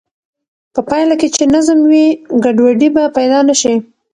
په پایله کې چې نظم وي، ګډوډي به پیدا نه شي.